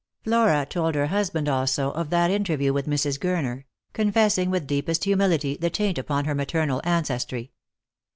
Flora told her husband also of that interview with Mrs. Gurner ; confessing with deepest humility the taint upon her maternal ancestry.